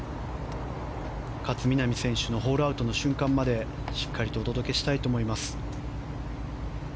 勝みなみ選手のホールアウトの瞬間までしっかりとお届けしたいと思います。